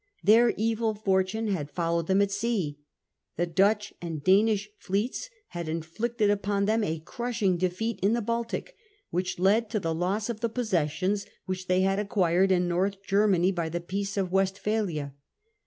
Their evil fortune had followed them at sea. The Dutch and Danish fleets had inflicted upon them a crushing defeat in the Baltic, which led to the loss of the possessions which they had acquired in North Germany by the Peace of Westphalia.